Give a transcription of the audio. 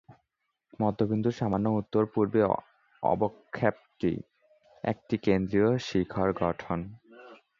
মধ্যবিন্দুর সামান্য উত্তর-পূর্বে অবক্ষেপটি একটি কেন্দ্রীয় শিখর গঠন।